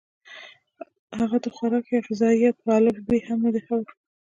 هغه د خوراک يا غذائيت پۀ الف ب هم نۀ دي خبر